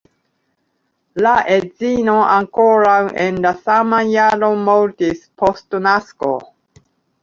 La edzino ankoraŭ en la sama jaro mortis, post nasko.